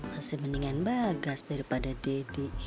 masih mendingan bagas daripada deddy